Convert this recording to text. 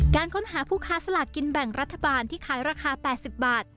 การค้นหาผู้ค้าสลากกินแบ่งรัฐบาลที่ขายราคา๘๐บาท